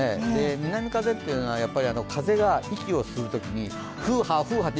南風っていうのはやはり風が息を吸うときに、スーハースーハーって